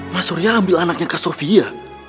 mas surya ambil anaknya ke sofia